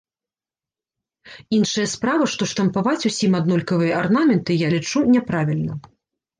Іншая справа, што штампаваць усім аднолькавыя арнаменты, я лічу, няправільна.